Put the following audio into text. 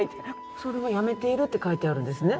それはやめているって書いてあるんですね？